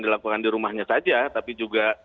dilakukan di rumahnya saja tapi juga